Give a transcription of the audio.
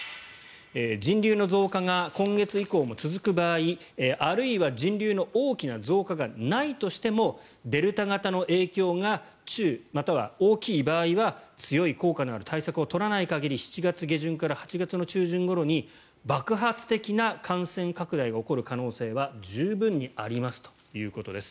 人流の増加が今月以降も続く場合あるいは人流の大きな増加がないとしてもデルタ型の影響が中または大きい場合は強い効果のある対策を取らない限り７月下旬から８月の中旬ごろに爆発的な感染拡大が起こる可能性は十分にありますということです。